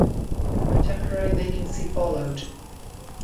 A temporary vacancy followed.